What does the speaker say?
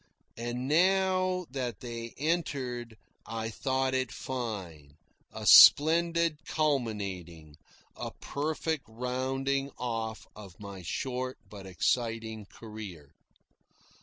And now that they entered, I thought it fine, a splendid culminating, a perfect rounding off of my short but exciting career.